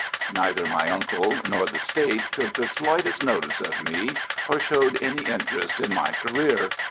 Neither my uncle nor the State took the slightest notice of me, or showed any interest in my career.